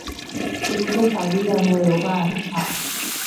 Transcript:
一部份小型机场的机坪设有加油设备则不需使用油罐车。